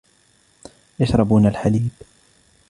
يشربون الحليب.